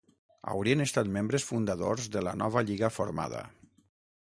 Haurien estat membres fundadors de la nova lliga formada.